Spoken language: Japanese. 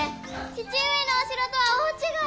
父上のお城とは大違い！